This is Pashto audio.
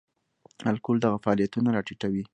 الکول دغه فعالیتونه را ټیټوي.